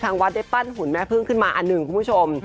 วัดได้ปั้นหุ่นแม่พึ่งขึ้นมาอันหนึ่งคุณผู้ชม